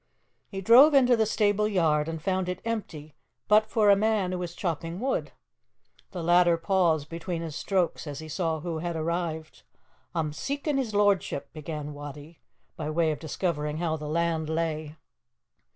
He drove into the stable yard and found it empty but for a man who was chopping wood. The latter paused between his strokes as he saw who had arrived. "A'm seekin' his lordship," began Wattie, by way of discovering how the land lay.